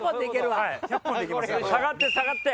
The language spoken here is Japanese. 下がって下がって。